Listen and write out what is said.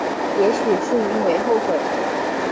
也许是因为后悔